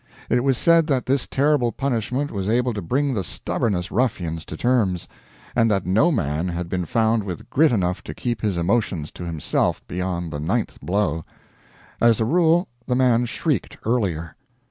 It was said that this terrible punishment was able to bring the stubbornest ruffians to terms; and that no man had been found with grit enough to keep his emotions to himself beyond the ninth blow; as a rule the man shrieked earlier.